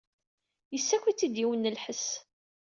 Yessaki-tt-id yiwen n lḥess.